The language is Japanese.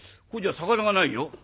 ここじゃ肴がないよ」。